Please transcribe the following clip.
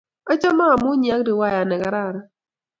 achame amunyii ak riwaya nekararan